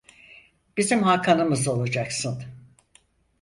Bizim hakanımız olacaksın.